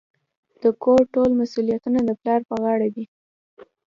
د کور ټول مسوليتونه د پلار په غاړه وي.